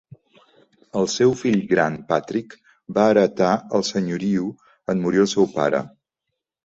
El seu fill gran, Patrick, va heretar el senyoriu en morir el seu pare.